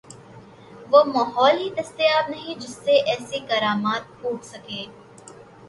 وہ ماحول ہی دستیاب نہیں جس سے ایسی کرامات پھوٹ سکیں۔